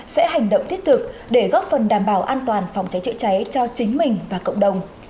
sẽ hành động thiết thực để góp phần đảm bảo an toàn phòng cháy chữa cháy cho chính mình và cộng đồng